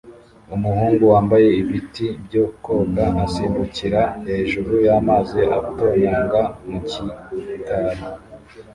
Umuhungu wambaye ibiti byo koga asimbukira hejuru y'amazi atonyanga mu gikari